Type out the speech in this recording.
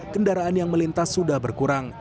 kendaraan yang melintas sudah berkurang